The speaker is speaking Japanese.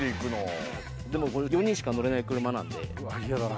でもこれ、４人しか乗れない嫌だな。